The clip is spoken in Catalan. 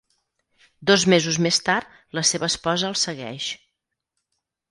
Dos mesos més tard, la seva esposa el segueix.